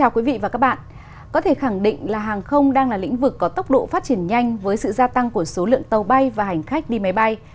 quý vị và các bạn có thể khẳng định là hàng không đang là lĩnh vực có tốc độ phát triển nhanh với sự gia tăng của số lượng tàu bay và hành khách đi máy bay